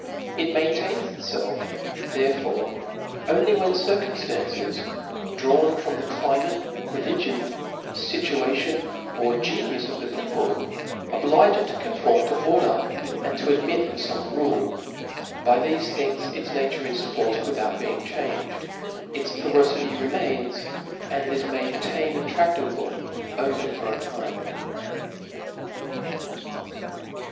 It maintains itfelf therefore only when circumftances drawn from the climate^ reli gion, (ituatibn, or genius of the people, oblige it to conform to order, and to admit of fome rule. By thefe things its nature is forced witl^out being changed ; its ferocity remains \ and it is made tamo and tradable only for a time.